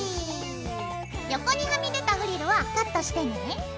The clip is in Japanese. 横にはみ出たフリルはカットしてね。